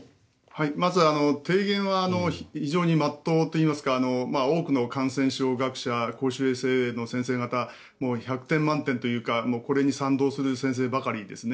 まず提言は非常に真っ当といいますか多くの感染症学者公衆衛生の先生方百点満点というか、これに賛同する先生ばかりですね。